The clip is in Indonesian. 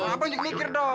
apa yang mikir dong